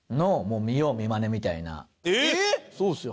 そうですよ。